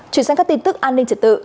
chuyển sang các tin tức an ninh trật tự